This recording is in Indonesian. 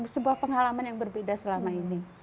sebuah pengalaman yang berbeda selama ini